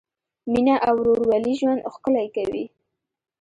مینه او ورورولي ژوند ښکلی کوي.